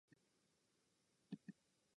いよいよ天城峠が近づいたと思うころ